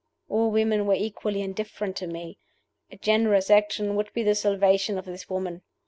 All women were equally indifferent to me. A generous action would be the salvation of this woman.